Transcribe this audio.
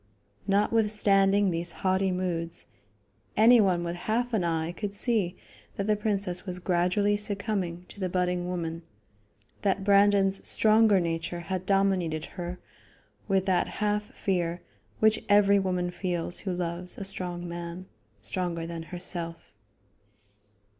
Notwithstanding these haughty moods, anyone with half an eye could see that the princess was gradually succumbing to the budding woman; that Brandon's stronger nature had dominated her with that half fear which every woman feels who loves a strong man stronger than herself.